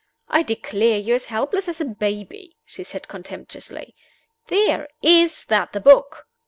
"I declare, you're as helpless as a baby!" she said, contemptuously. "There! Is that the book?"